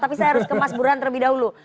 tapi saya harus ke mas burhan terlebih dahulu